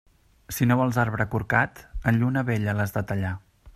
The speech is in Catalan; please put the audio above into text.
Si no vols arbre corcat, en lluna vella l'has de tallar.